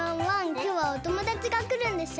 きょうはおともだちがくるんでしょ？